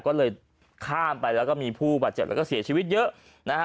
ก็เลยข้ามไปแล้วก็มีผู้บาดเจ็บแล้วก็เสียชีวิตเยอะนะฮะ